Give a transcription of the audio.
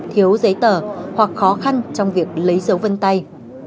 thiếu giấy tờ hoặc khó khăn trong việc lấy dấu vân tay